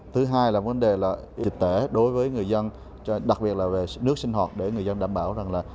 thứ hai là vấn đề là y tế đối với người dân đặc biệt là về nước sinh hoạt để người dân đảm bảo rằng là